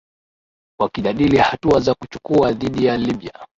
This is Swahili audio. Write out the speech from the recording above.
wakijadili hatua za kuchukua dhidi ya libya